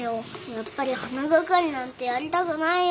やっぱり花係なんてやりたくないよ。